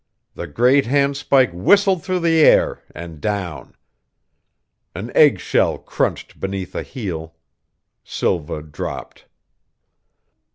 The great handspike whistled through the air, and down. An egg shell crunched beneath a heel.... Silva dropped.